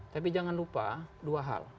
tapi jangan lupa dua hal